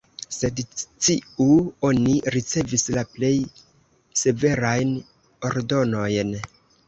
Sed sciu, oni ricevis la plej severajn ordonojn.